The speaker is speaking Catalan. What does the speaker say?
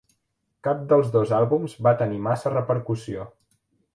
Cap dels dos àlbums va tenir massa repercussió.